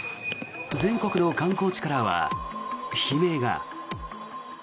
全国の観光地からは悲鳴が。